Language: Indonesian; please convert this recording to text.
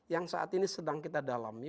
yang saat ini sedang kita dalami